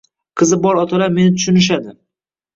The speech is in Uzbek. Qizi bor otalar meni tushunishadi.